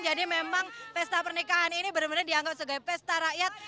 jadi memang pesta pernikahan ini bener bener dianggap sebagai pesta rakyat